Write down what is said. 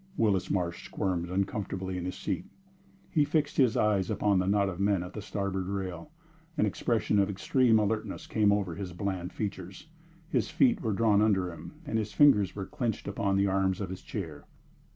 Willis Marsh squirmed uncomfortably in his seat. He fixed his eyes upon the knot of men at the starboard rail; an expression of extreme alertness came over his bland features. His feet were drawn under him, and his fingers were clinched upon the arms of his chair.